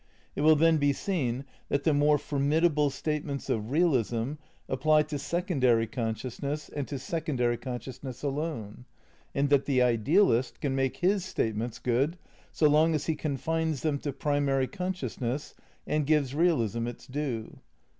It will then be seen that the more formidable^tatementa of realism apply to sec ondary consciousness and to secondary consciousness alone, and that the idealist can make his statements good so long as he confines them to primary conscious ness and gives realism its due.